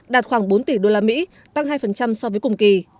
đạt khoảng bốn tỷ usd tăng hai so với cùng kỳ